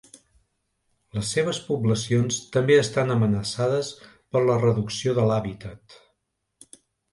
Les seves poblacions també estan amenaçades per la reducció de l'hàbitat.